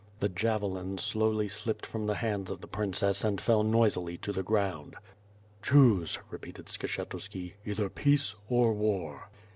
The javelin slowly slipped from the hands of the princess and fell noisily to the ground. "Choose," repeated Skshetuski, "either peace or war."